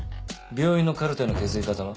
病院のカルテの血液型は？